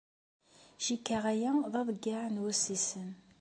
Cikkeɣ aya d aḍeyyeɛ n wussisen.